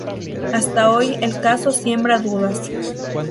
Hasta hoy el caso siembra dudas.